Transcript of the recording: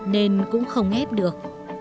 nên cũng không ép được